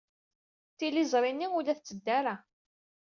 Tiliẓri-nni ur la tetteddu ara.